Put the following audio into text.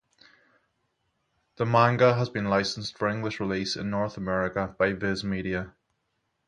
The manga has been licensed for English release in North America by Viz Media.